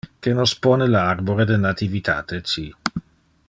Que nos pone le arbore de Nativitate ci.